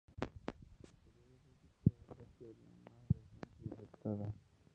El periodo crítico es la teoría más reciente y aceptada.